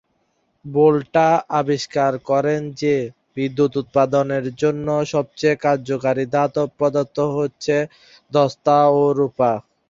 ভোল্টা আবিষ্কার করেন যে, বিদ্যুৎ উৎপাদনের জন্য সবচেয়ে কার্যকর ধাতব পদার্থ হচ্ছে দস্তা ও রূপা।